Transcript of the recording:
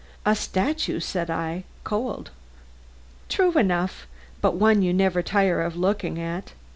"A statue!" said I; "cold!" "True enough, but one you never tire of looking at.